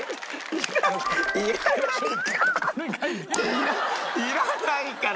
いらいらないから。